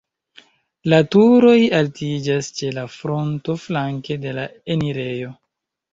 La turoj altiĝas ĉe la fronto flanke de la enirejo.